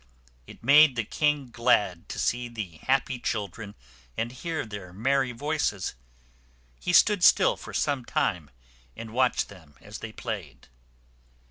It made the king glad to see the happy children, and hear their merry voices. He stood still for some time, and watched them as they played.